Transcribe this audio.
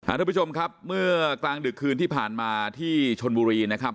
ทุกผู้ชมครับเมื่อกลางดึกคืนที่ผ่านมาที่ชนบุรีนะครับ